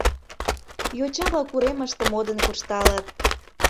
Йоча-влак уремыште модын куржталыт.